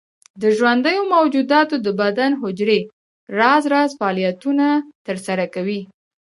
د ژوندیو موجوداتو د بدن حجرې راز راز فعالیتونه تر سره کوي.